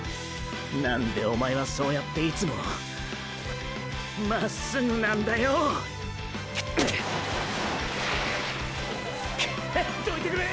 何でおまえはそうやっていつもまっすぐなんだヨ！！ッ！！どいてくれ！！